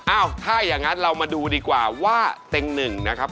ถ้าอย่างนั้นเรามาดูดีกว่าว่าเต็งหนึ่งนะครับ